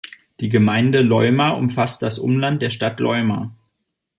Die Gemeinde Loimaa umfasste das Umland der Stadt Loimaa.